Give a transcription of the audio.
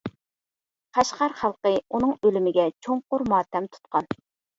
قەشقەر خەلقى ئۇنىڭ ئۆلۈمىگە چوڭقۇر ماتەم تۇتقان.